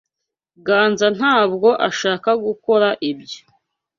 Ganza ntabwo ashaka gukora ibyo.